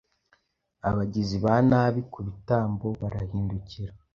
Abagizi ba nabi ku bitambo barahindukira.